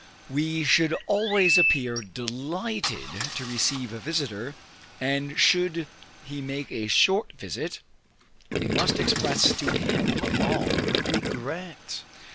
We should always appear delighted to receive a visiter, and should he make a short visit, we must express to him our regret.